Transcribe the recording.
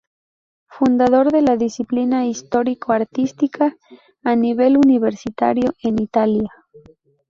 Fundador de la disciplina histórico-artística a nivel universitario en Italia.